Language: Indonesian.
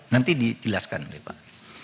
nanti dijelaskan oleh pak